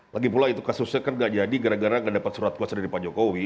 lagi pula itu kasusnya kan gak jadi gara gara gak dapat surat kuasa dari pak jokowi